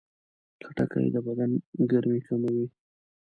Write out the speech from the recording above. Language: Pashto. خټکی د بدن ګرمي کموي.